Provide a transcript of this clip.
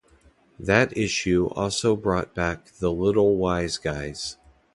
That issue also brought back the Little Wise Guys.